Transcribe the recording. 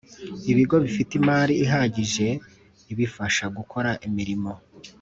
Ibigo bifite imari ihagije ibifasha gukora imirimo